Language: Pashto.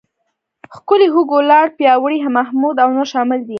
ښکلی، هوګو، لاړ، پیاوړی، محمود او نور شامل دي.